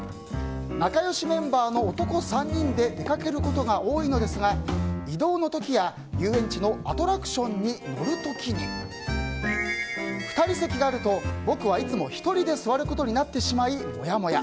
仲良しメンバーの男３人で出かけることが多いのですが移動の時や遊園地のアトラクションに乗る時に２人席があると僕はいつも１人で座ることになってしまいモヤモヤ。